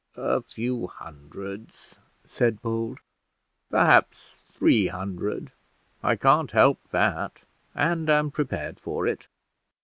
"A few hundreds," said Bold "perhaps three hundred; I can't help that, and am prepared for it."